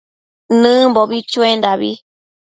Nëbimbo chuendabi